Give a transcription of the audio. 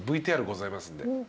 ＶＴＲございますんで。